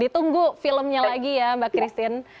ditunggu filmnya lagi ya mbak christine